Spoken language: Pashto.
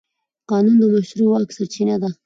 قانون د مشروع واک سرچینه ده.